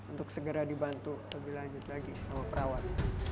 untuk segera dibantu lebih lanjut lagi sama perawat